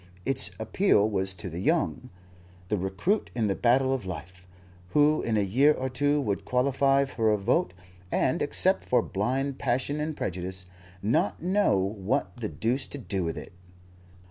Its appeal was to the young, the recruit in the battle of life, who in a year or two would qualify for a vote and, except for blind passion and prejudice, not know what the deuce to do with it.